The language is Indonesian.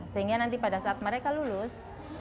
sehingga nanti pada saat mereka lulus